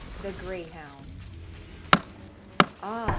] THE GREYHOUND. "Ah!